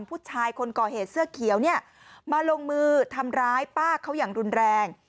ผู้ชายคนก่อเหตุเสื้อเขียวเนี่ยมาลงมือทำร้ายป้าเขาอย่างรุนแรง